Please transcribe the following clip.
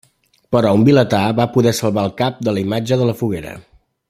Però un vilatà va poder salvar el cap de la imatge de la foguera.